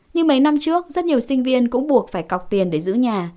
như mấy năm trước rất nhiều sinh viên cũng buộc phải cọc tiền để giữ nhà